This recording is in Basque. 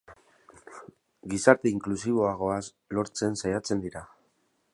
Gizarte inklusiboagoa lortzen saiatzen dira.